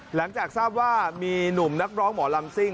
หลังจากทราบว่ามีหนุ่มนักร้องหมอลำซิ่ง